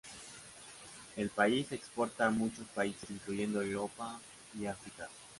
El país exporta a muchos países incluyendo Europa y África.